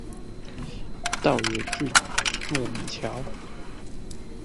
道爺圳糯米橋